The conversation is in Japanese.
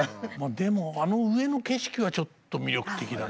でもあの上の景色はちょっと魅力的だな。